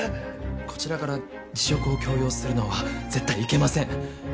こちらから辞職を強要するのは絶対いけません